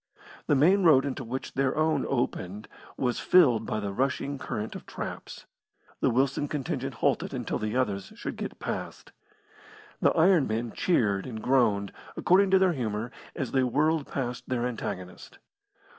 The main road into which their own opened was filled by the rushing current of traps. The Wilson contingent halted until the others should get past. The iron men cheered and groaned, according to their humour, as they whirled past their antagonist.